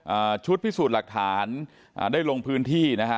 อ่าชุดพิสูจน์หลักฐานอ่าได้ลงพื้นที่นะฮะ